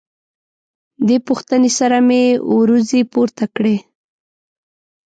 دې پوښتنې سره مې وروځې پورته کړې.